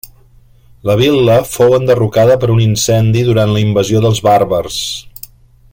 La vil·la fou enderrocada per un incendi durant la invasió dels bàrbars.